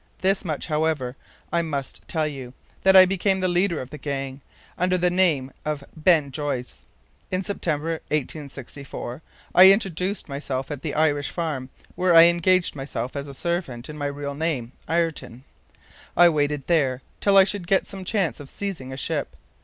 This much, however, I must tell you, that I became the leader of the gang, under the name of Ben Joyce. In September, 1864, I introduced myself at the Irish farm, where I engaged myself as a servant in my real name, Ayrton. I waited there till I should get some chance of seizing a ship.